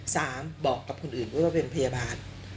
สามบอกกับคนอื่นว่าเป็นพยาบาล